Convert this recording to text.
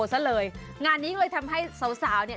มีคุณใจในใครมากกว่านี้